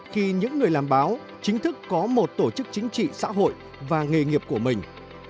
khi những người làm báo chính thức có một tổ chức chính trị xã hội và nghề nghiệp của mình